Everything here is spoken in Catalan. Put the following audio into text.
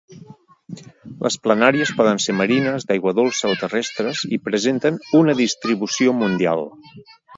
Les planàries poden ser marines, d'aigua dolça o terrestres i presenten una distribució mundial.